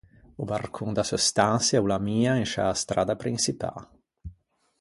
O barcon da seu stançia o l’ammia in sciâ stradda prinçipâ.